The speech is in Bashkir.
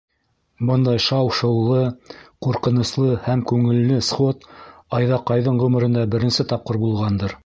Бындай шау-шыулы, ҡурҡыныслы һәм күңелле сход Айҙаҡайҙың ғүмерендә беренсе тапҡыр булғандыр.